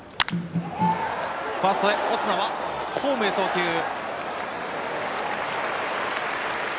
オスナはホームへ送球。